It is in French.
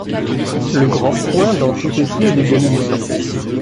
Le grand point, dans tout ceci, est de gagner du temps.